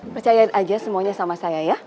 percayain aja semuanya sama saya ya